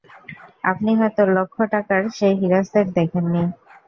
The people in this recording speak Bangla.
আপনি হয়তো লক্ষ টাকার সেই হীরার সেট দেখেননি?